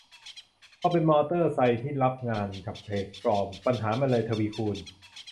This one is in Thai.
พอเป็นมอเตอร์ไซค์ที่รับงานกับแพลตฟอร์ม ปัญหามันเลยทวีคูณ